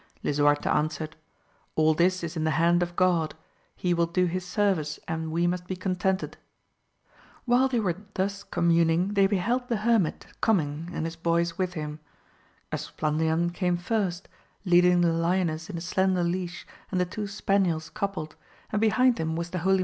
Lisuarte answered, all this is in the hand of God, he will do his service, and we must be contented. While they were thus communing they beheld the hermit coming and his boys with him. Esplandian came first, leading the lioness in a slender leash and the two spaniels coupled, and behind him was the holy AMADIS OF GAUL.